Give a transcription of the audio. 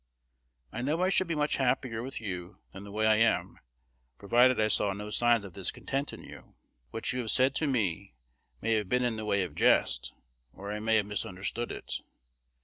I know I should be much happier with you than the way I am, provided I saw no signs of discontent in you. What you have said to me may have been in the way of jest, or I may have misunderstood it.